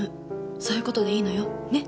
そういう事でいいのよ。ね？